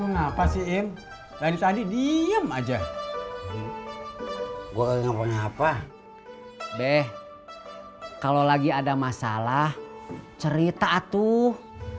ngapa sih im tadi tadi diem aja gua ngapain apa deh kalau lagi ada masalah cerita tuh